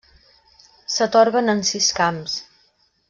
S'atorguen en sis camps: